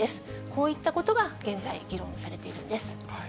こういったことが現在、議論されているんです。